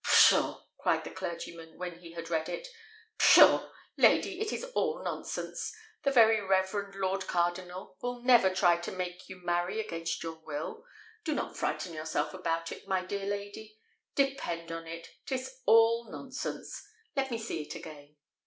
"Pshaw!" cried the clergyman when he had read it; "pshaw! lady, it is all nonsense! The very reverend lord cardinal will never try to make you marry against your will. Do not frighten yourself about it, my dear lady; depend on it, 'tis all nonsense. Let me see it again."